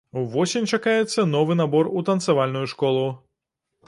Увосень чакаецца новы набор у танцавальную школу.